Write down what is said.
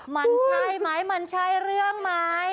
มันใช่ไหมมันใช่เรื่องไหม